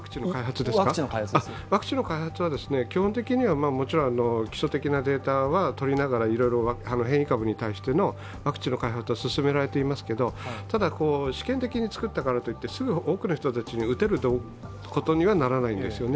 ワクチンの開発は基本的にはもちろん、基礎的なデータはとりながら、いろいろな変異株に対してワクチンの開発は進められていますけど、ただ、試験的に作ったからといってすぐ多くの人たちに打てることにはならないわけですね。